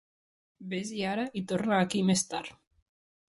Ves-hi ara i torna aquí més tard.